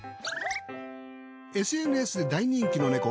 ＳＮＳで大人気のネコ